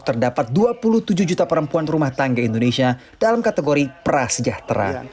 terdapat dua puluh tujuh juta perempuan rumah tangga indonesia dalam kategori prasejahtera